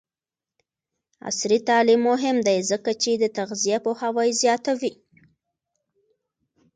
عصري تعلیم مهم دی ځکه چې د تغذیه پوهاوی زیاتوي.